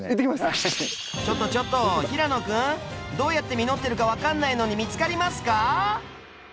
ちょっとちょっと平野君どうやって実ってるか分かんないのに見つかりますか？